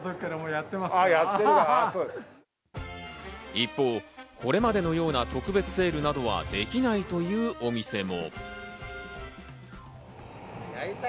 一方、これまでのような特別セールなどはできないというお店も。